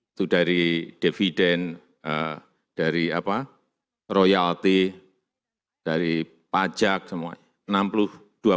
itu dari dividen dari royalti dari pajak semuanya